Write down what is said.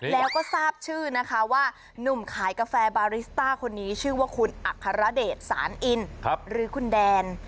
แล้วก็ทราบชื่อนะคะว่านุ่มขายกาแฟบาริสต้าคนนี้ชื่อว่าคุณอัครเดชสารอินหรือคุณแดน